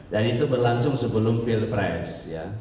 dan itu berlangsung sebelum pilpres